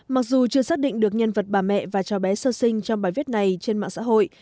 mặc dù chưa xác định được nhân vật bà mẹ và cháu bé sơ sinh trong bài viết này trên mạng xã hội